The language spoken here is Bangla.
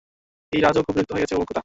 এই রাজও খুব বিরক্ত হয়ে গেছে, ওহ খোদা।